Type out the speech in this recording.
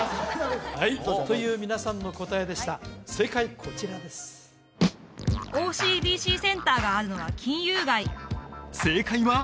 はいという皆さんの答えでした正解こちらですＯＣＢＣセンターがあるのは金融街正解は？